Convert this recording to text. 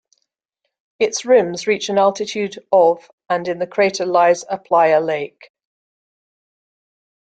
Its rims reach an altitude of and in the crater lies a playa lake.